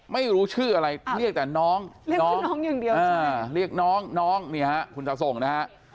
ไม่รู้ชื่ออะไรเรียกแต่น้องน้องเรียกน้องน้องเนี่ยคุณตะส่งนะฮะ